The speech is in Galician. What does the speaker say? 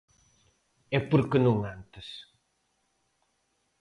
¿E por que non antes?